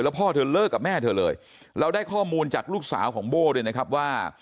พ่อเธอเลิกกับแม่เธอเลยเราได้ข้อมูลจากลูกสาวของโบ้ด้วยนะครับว่า